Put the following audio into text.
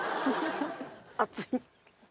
熱い？